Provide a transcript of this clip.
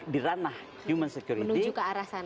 di ranah human security ke arah sana